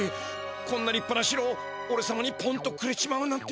こんなりっぱなしろおれさまにポンとくれちまうなんて！